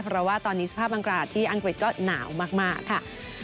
เพราะว่าตอนนี้สภาพอากาศที่อังกฤษก็หนาวมากค่ะ